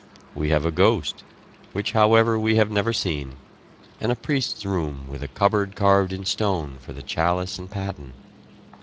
We have a ghost, which however we have never seen, and a priest's room with a cupboard carved in stone for the chalice and patten.